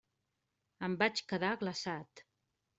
Em vaig quedar glaçat.